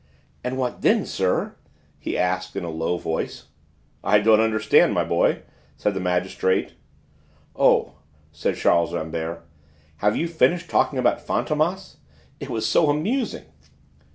"And what then, sir?" he asked in a low tone. "I don't understand, my boy," said the magistrate. "Oh!" said Charles Rambert, "have you finished talking about Fantômas? It was so amusing!"